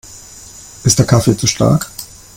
Ist der Kaffee zu stark?